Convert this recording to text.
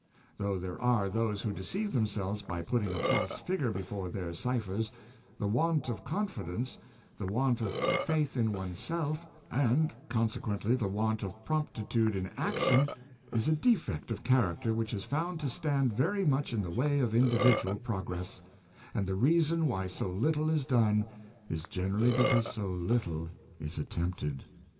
Though there are those who deceive themselves by putting a false figure before their ciphers, the want of confidence, the want of faith in one's self, and consequently the want of prompti tude in action, is a defect of character which is found to stand very much in the way of individual progress; and the reason why so little is done, is generally because so little is attempted.